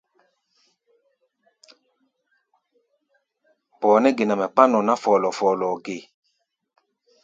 Bɔɔ nɛ́ ge nɛ mɛ kpán nɔ ná fɔ́lɔ́ɔ́-fɔ́lɔ́ɔ́ʼɛ ge?